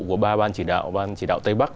của ba ban chỉ đạo ban chỉ đạo tây bắc